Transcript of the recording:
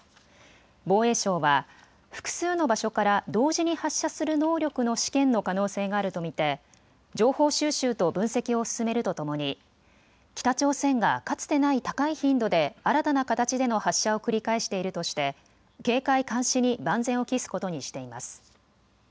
防衛省は複数の場所から同時に発射する能力の試験の可能性があると見て情報収集と分析を進めるとともに北朝鮮がかつてない高い頻度で新たな形での発射を繰り返しているとして警戒、監視に万全を期すことにしています。